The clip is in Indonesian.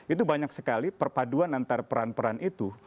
itu banyak sekali perpaduan antara peran peran itu